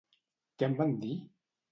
Què en van dir?